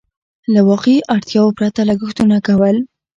له واقعي اړتياوو پرته لګښتونه کول.